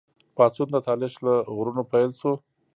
پاڅون د طالش له غرونو پیل شو.